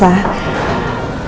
ya mbak mau ke tempat ini